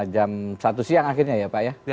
jam satu siang akhirnya ya pak ya